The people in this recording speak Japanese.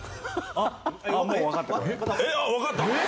あっもう分かった。